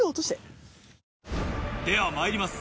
ではまいります。